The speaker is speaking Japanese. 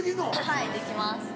はいできます。